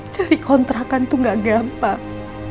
cari kontrakan itu gak gampang